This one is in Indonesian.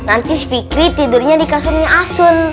nanti s fikri tidurnya di kasurnya asun